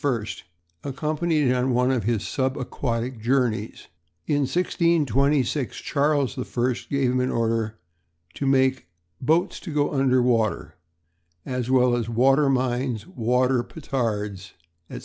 accompanied him on one of his sub aquatic journeys. In 1626 Charles I. gave him an order to make "boates to go under water," as well as "water mines, water petards," &c.